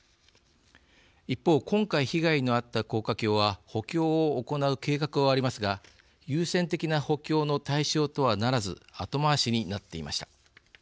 一方、今回被害のあった高架橋は補強を行う計画はありますが優先的な補強の対象とはならず後回しになっていました。